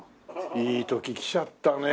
いい時来ちゃったねえ。